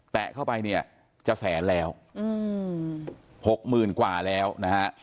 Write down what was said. แตะเข้าไปเนี่ยจะแสนแล้วหกหมื่นกว่าแล้วนะฮะ